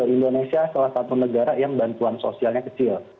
indonesia salah satu negara yang bantuan sosialnya kecil